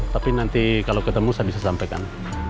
tapi nanti kalau ketemu saya bisa sampaikan